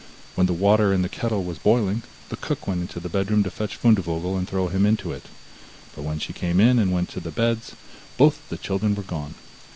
When the water in the kettle was boiling, the cook went into the bedroom to fetch Fundevogel and throw him into it. But when she came in, and went to the beds, both the children were gone.